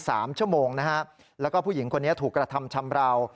สามชั่วโมงนะฮะแล้วก็ผู้หญิงคนนี้ถูกกระทำชำราว